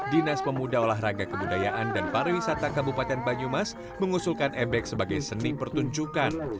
dinas pemuda olahraga kebudayaan dan pariwisata kabupaten banyumas mengusulkan ebek sebagai seni pertunjukan